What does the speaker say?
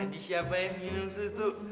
ini siapa yang minum susu